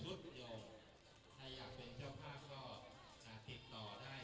ใครอยากเป็นเจ้าผ้าก็ติดต่อได้